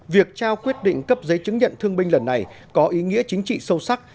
việc trao quyết định cấp giấy chứng nhận thương binh lần này có ý nghĩa chính trị sâu sắc